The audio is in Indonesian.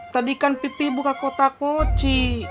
tadi kan pipi buka kotak koci